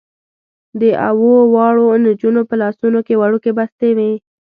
د اوو واړو نجونو په لاسونو کې وړوکې بستې وې.